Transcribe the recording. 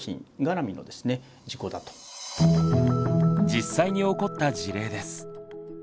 実際に起こった事例です。